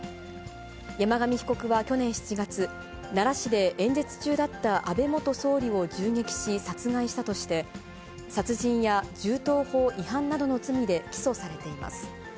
山上被告は去年７月、奈良市で演説中だった安倍元総理を銃撃し、殺害したとして、殺人や銃刀法違反などの罪で起訴されています。